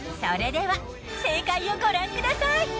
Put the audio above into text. それでは正解をご覧ください。ＯＫ。